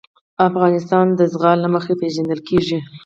افغانستان د زغال له مخې پېژندل کېږي.